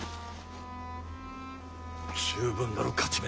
十分なる勝ち目